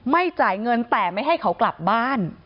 ไม่จ่ายเงินแต่ไม่ให้เขากลับบ้าน